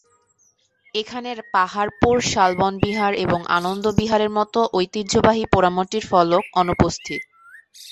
এখানে পাহাড়পুর, শালবন বিহার এবং আনন্দ বিহারের মতো ঐতিহ্যবাহী পোড়ামাটির ফলক অনুপস্থিত।